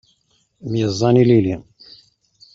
Myeẓẓan ilili.